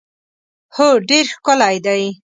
هو ډېر ښکلی دی.